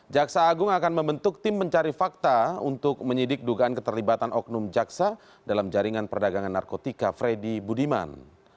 jaksa agung akan membentuk tim mencari fakta untuk menyidik dugaan keterlibatan oknum jaksa dalam jaringan perdagangan narkotika freddy budiman